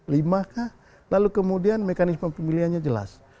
lima kah lalu kemudian mekanisme pemilihannya jelas